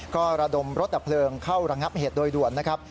ก็ระดมรถดับเพลิงเข้าระงับเหตุโดยด่วนนะครับ